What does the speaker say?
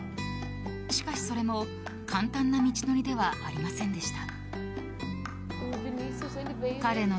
しかし、それも簡単な道のりではありませんでした。